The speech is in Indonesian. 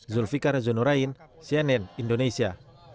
zulfiqar zonurain cnn indonesia